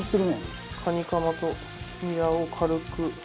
カニカマとニラを軽く。